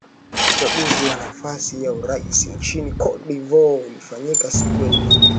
uchaguzi wa nafasi ya urais nchini cote de voire ulifanyika siku ya jumapili